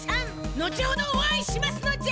のちほどお会いしますのじゃ。